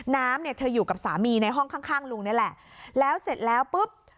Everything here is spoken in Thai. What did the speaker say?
น้ำเนี่ยเธออยู่กับสามีในห้องข้างข้างลุงนี่แหละแล้วเสร็จแล้วปุ๊บ